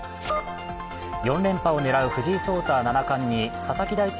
４連覇を狙う藤井聡太七冠に佐々木大地